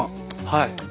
はい。